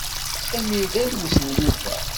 Samir d alwes n Yuba.